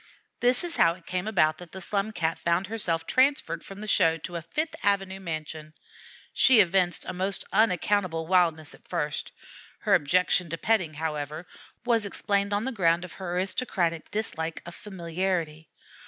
This is how it came about that the Slum Cat found herself transferred from the show to a Fifth Avenue mansion. She evinced a most unaccountable wildness at first. Her objection to petting, however, was explained on the ground of her aristocratic dislike of familiarity.